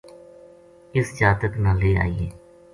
اس جاتک نا لے آئیے